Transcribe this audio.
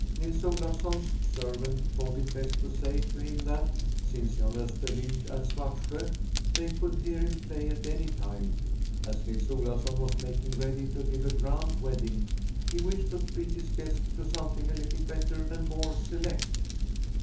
Nils Olafsson's servant thought it best to say to him that, since Jan Öster lived at Svartsjö, they could hear him play at any time. As Nils Olafsson was making ready to give a grand wedding, he wished to treat his guests to something a little better and more select.